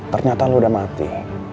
ternyata lu udah mati